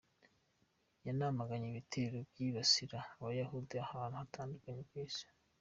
Yanamaganye ibitero byibasira Abayahudi ahantu hatandukanye ku isi.